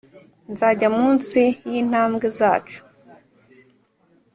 nzajya munsi yintambwe zacu